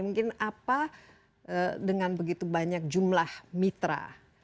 mungkin apa dengan begitu banyak jumlah mitra